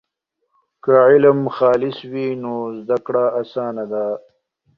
که علم خالص وي نو زده کړه اسانه ده.